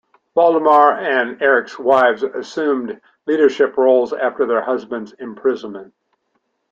Valdemar and Eric's wives assumed leadership roles after their husbands' imprisonment.